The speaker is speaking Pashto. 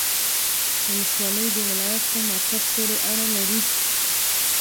ولسوالۍ د ولایت په مرکز پوري اړه لري